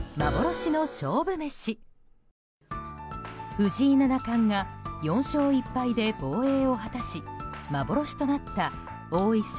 藤井七冠が４勝１敗で防衛を果たし幻となった王位戦